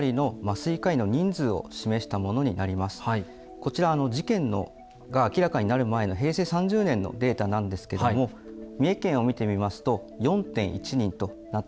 こちらあの事件が明らかになる前の平成３０年のデータなんですけども三重県を見てみますと４．１人となっていて。